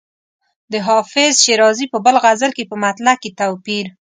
د حافظ شیرازي په بل غزل کې په مطلع کې توپیر.